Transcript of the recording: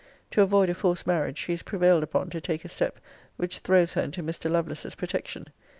'To avoid a forced marriage, she is prevailed upon to take a step which throws her into Mr. Lovelace's protection.